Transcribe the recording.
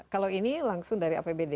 kalau ini langsung dari apbd